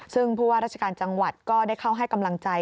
ซึ่งผู้ว่าราชการจังหวัดก็ได้เข้าให้กำลังใจ